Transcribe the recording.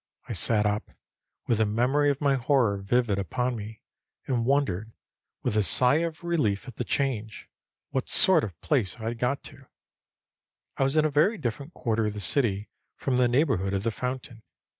I sat up, with the memory of my horror vivid upon me, and wondered, with a sigh of relief at the change, what sort of a place I had got to. I was in a very different quarter of the city from the neighborhood of the fountain.